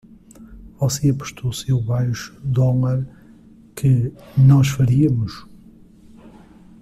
Você apostou seu baixo dólar que nós faríamos!